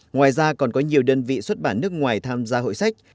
ngoài ra còn có nhiều đơn vị xuất bản nước ngoài tham gia hội sách